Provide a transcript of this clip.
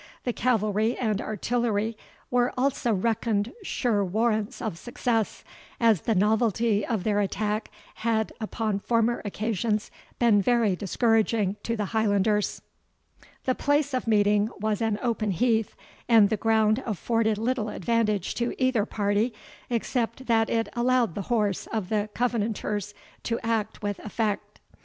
The cavalry and artillery were also reckoned sure warrants of success, as the novelty of their attack had upon former occasions been very discouraging to the Highlanders. The place of meeting was an open heath, and the ground afforded little advantage to either party, except that it allowed the horse of the Covenanters to act with effect.